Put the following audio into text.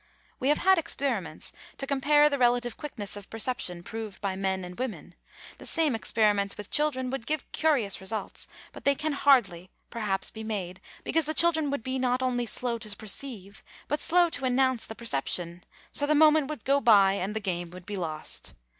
We have had experiments to compare the relative quickness of perception proved by men and women. The same experiments with children would give curious results, but they can hardly, perhaps, be made, because the children would be not only slow to perceive but slow to announce the perception; so the moment would go by, and the game be lost.